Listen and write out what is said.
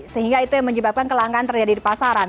sehingga itu yang menyebabkan kelangkaan terjadi di pasaran